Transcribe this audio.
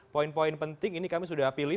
poin poin penting ini kami sudah pilih